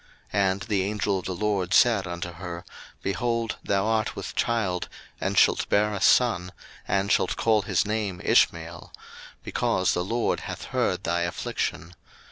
01:016:011 And the angel of the LORD said unto her, Behold, thou art with child and shalt bear a son, and shalt call his name Ishmael; because the LORD hath heard thy affliction.